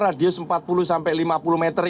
radius empat puluh sampai lima puluh meter